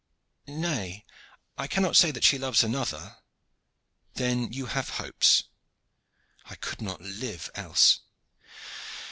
"Nay, I cannot say that she loves another." "Then you have hopes?" "I could not live else."